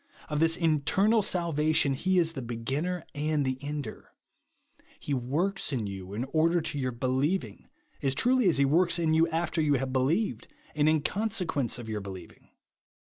Of this internal salvation he is the beginner and the ender. He w^orks in you, in order to your believing, as truly as he works in you after you have beheved, and in consequence of your believing.